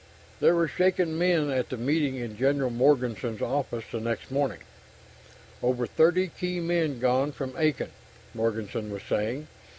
They were shaken men at the meeting in General Morganson's office the next morning. "Over 30 key men gone from Aiken," Morganson was saying.